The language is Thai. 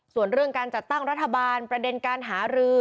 ส่วนเรื่องการจัดตั้งรัฐบาลประเด็นการหารือ